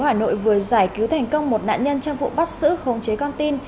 tp hà nội vừa giải cứu thành công một nạn nhân trong vụ bắt giữ khống chế con tin